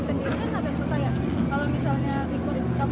kan agak susah ya kalau misalnya ikut kaftar kayak gini itu bisa milih milih itu